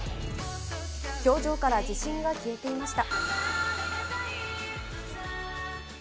表情から自信が消えていました。